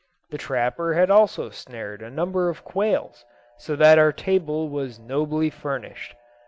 The trapper had also snared a number of quails, so that our table was nobly furnished.